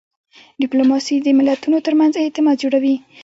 ډیپلوماسي د ملتونو ترمنځ اعتماد جوړوي.